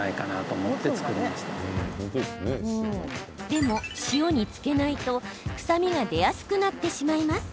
でも、塩につけないと臭みが出やすくなってしまいます。